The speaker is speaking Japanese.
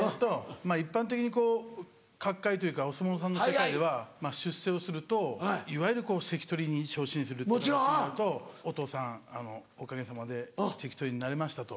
一般的にこう角界というかお相撲さんの世界では出世をするといわゆる関取に昇進するっていう形になると「お父さんおかげさまで関取になれました。